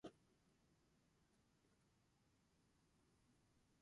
Primary trainers are used for basic flight training.